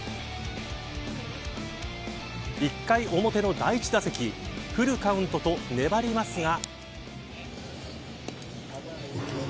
１回表の第１打席フルカウントと粘りますが。